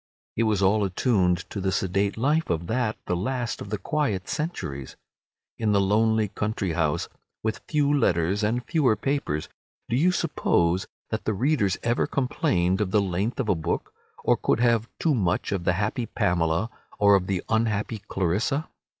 It was all attuned to the sedate life of that, the last of the quiet centuries. In the lonely country house, with few letters and fewer papers, do you suppose that the readers ever complained of the length of a book, or could have too much of the happy Pamela or of the unhappy Clarissa?